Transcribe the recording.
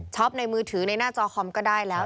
ในมือถือในหน้าจอคอมก็ได้แล้ว